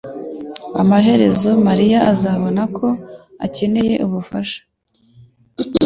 Amaherezo mariya azabona ko akeneye ubufasha